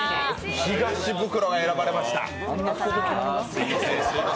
東ブクロが選ばれました。